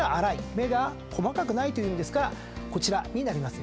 目が細かくないという意味ですからこちらになります。